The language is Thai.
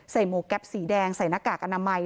หมวกแก๊ปสีแดงใส่หน้ากากอนามัย